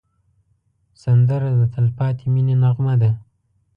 سندره د تل پاتې مینې نغمه ده